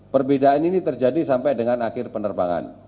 perbedaan ini terjadi sampai dengan akhir penerbangan